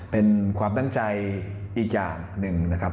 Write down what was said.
เป็นความตั้งใจอีกอย่างหนึ่งนะครับ